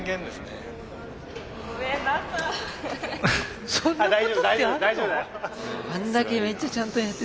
あんだけめっちゃちゃんとやっててもあるんだね。